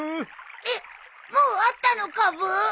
えっもうあったのかブー？